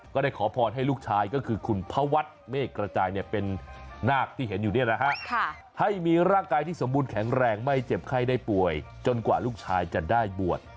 ก็ได้ขอพรให้ลูกชายก็คือคุณพระวัดเมฆกระจายเป็นนาคที่เห็นอยู่เนี่ยนะฮะให้มีร่างกายที่สมบูรณแข็งแรงไม่เจ็บไข้ได้ป่วยจนกว่าลูกชายจะได้บวช